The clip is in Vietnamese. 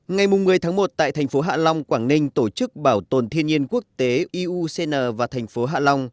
ngày một mươi tháng một tại thành phố hạ long quảng ninh tổ chức bảo tồn thiên nhiên quốc tế iuucn và thành phố hạ long